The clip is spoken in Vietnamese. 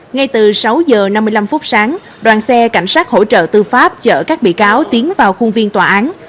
ngay từ sáu giờ năm mươi năm phút sáng đoàn xe cảnh sát hỗ trợ tư pháp chở các bị cáo tiến vào khuôn viên tòa án